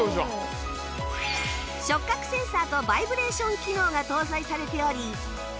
触覚センサーとバイブレーション機能が搭載されており